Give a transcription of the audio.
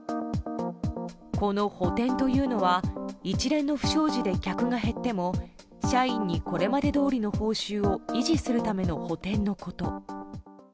この補填というのは一連の不祥事で客が減っても社員にこれまでどおりの報酬を維持するための補填のこと。